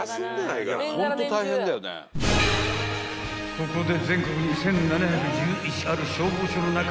［ここで］